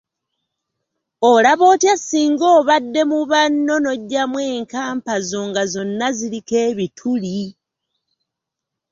Olaba otya singa obadde mu banno n'oggyamu enkampa zo nga zonna ziriko ebituli.